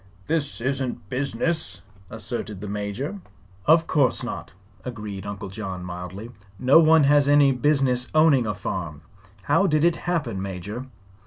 "This isn't business," asserted the Major. "Of course not," agreed Uncle John, mildly. "No one has any business owning a farm. How did it happen. Major?"